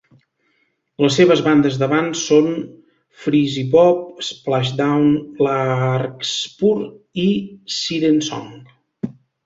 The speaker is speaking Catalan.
Les seves bandes d'abans són Freezepop, Splashdown, Larkspur i Sirensong.